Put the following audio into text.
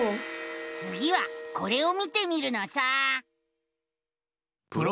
つぎはこれを見てみるのさ！